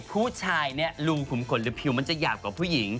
ผู้ชายเนี่ยลุงขุมขนหรือผิวมันจะหยาบกว่าผู้หญิง